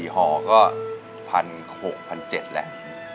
๔ห่อก็๑๖๐๐๑๗๐๐แหละ